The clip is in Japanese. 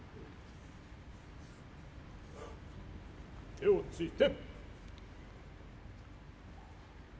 手をついて。